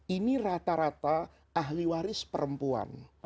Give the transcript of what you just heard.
ini rata rata ahli waris perempuan